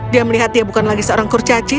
dia melihat dia bukan lagi seorang kurcaci